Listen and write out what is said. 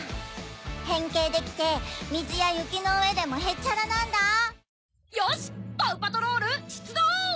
変形できて水や雪の上でもへっちゃらなんだよしパウ・パトロール出動！